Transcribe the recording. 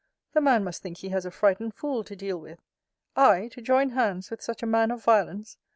The man must think he has a frightened fool to deal with. I, to join hands with such a man of violence!